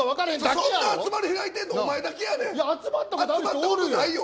そんな集まり開いてるのお前だけやで！